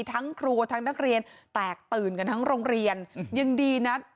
ทั้งครัวทั้งนักเรียนแตกตื่นกันทั้งโรงเรียนยังดีนะ